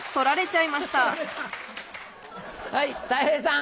はいたい平さん。